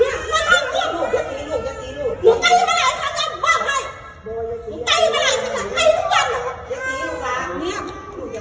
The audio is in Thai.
ยอมต้องการเงินหรือต้องการอะไรต้องการกลับบ้านไม่มีค่าเงินกลับ